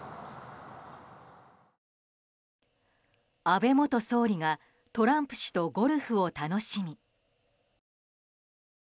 安倍元総理がトランプ氏とゴルフを楽しみ。